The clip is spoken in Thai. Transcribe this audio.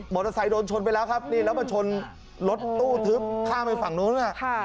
มอเตอร์ไซส์โดนชนไปแล้วครับแล้วมันชนรถตู้ทึบข้ามไปฝั่งโน้น